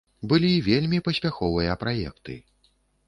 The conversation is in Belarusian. Былі вельмі паспяховыя праекты.